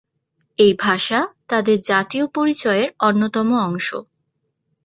এই ভাষা তাদের জাতীয় পরিচয়ের অন্যতম অংশ।